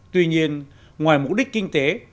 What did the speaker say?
tuy nhiên ngoài mục đích kinh tế